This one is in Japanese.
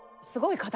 すごい！